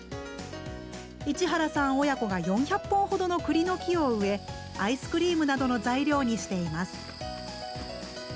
市原さん親子が４００本ほどのくりの木を植えアイスクリームなどの材料にしています。